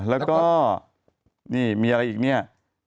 แล้วก็นี่มีอะไรอีกเนี่ย